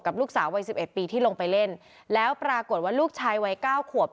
ลูกสาววัยสิบเอ็ดปีที่ลงไปเล่นแล้วปรากฏว่าลูกชายวัยเก้าขวบ